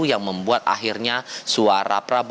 yang membuat akhirnya suara prabowo